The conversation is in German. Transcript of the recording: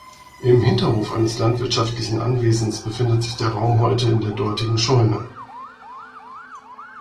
Im Hinterhof eines landwirtschaftlichen Anwesens befindet sich der Raum heute in der dortigen Scheune.